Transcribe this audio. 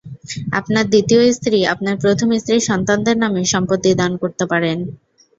আপনার দ্বিতীয় স্ত্রী আপনার প্রথম স্ত্রীর সন্তানদের নামে সম্পত্তি দান করতে পারেন।